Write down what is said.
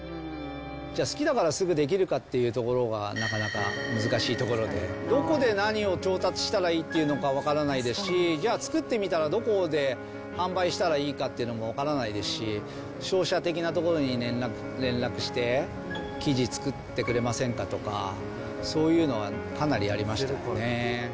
じゃあ、好きだからすぐできるかっていうと、なかなか難しいところで、どこで何を調達したらいいっていうのか、分からないですし、じゃあ、作ってみたらどこで販売したらいいかっていうのも分からないですし、商社的なところに連絡して、生地作ってくれませんかとか、そういうのはかなりありましたよね。